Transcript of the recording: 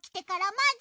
まず？